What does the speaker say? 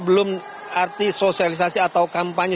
belum arti sosialisasi atau kampanye